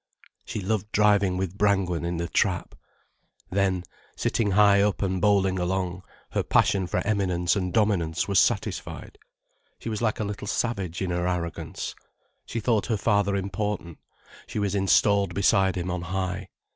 She loved driving with Brangwen in the trap. Then, sitting high up and bowling along, her passion for eminence and dominance was satisfied. She was like a little savage in her arrogance. She thought her father important, she was installed beside him on high.